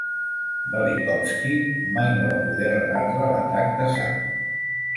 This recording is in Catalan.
Velikovsky mai no va poder rebatre l'atac de Sach.